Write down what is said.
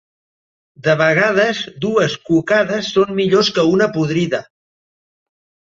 De vegades, dues cucades són millors que una podrida.